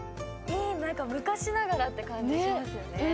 昔ながらって感じしますよね。